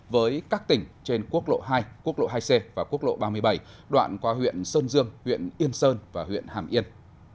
với các tỉnh trên quốc lộ hai quốc lộ hai c và quốc lộ ba mươi bảy đoạn qua huyện sơn dương huyện yên sơn và huyện hàm yên